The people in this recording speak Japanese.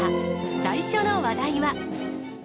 最初の話題は。